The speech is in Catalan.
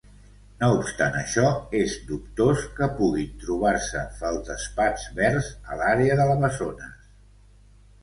No obstant això, és dubtós que puguin trobar-se feldespats verds a l'àrea de l'Amazones.